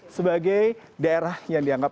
sebagai daerah yang dianggap